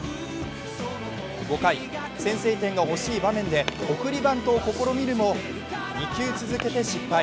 ５回、先制点が欲しい場面で送りバントを試みるも２球続けて失敗。